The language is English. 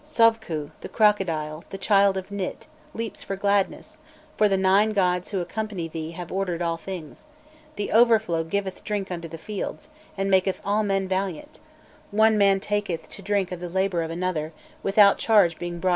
Sovkû, the crocodile, the child of Nit, leaps for gladness;[*] for the Nine gods who accompany thee have ordered all things, the overflow giveth drink unto the fields and maketh all men valiant; one man taketh to drink of the labour of another, without charge being brought against him.